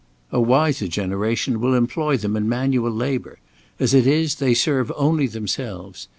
A wiser generation will employ them in manual labour; as it is, they serve only themselves.